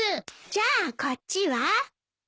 じゃあこっちは？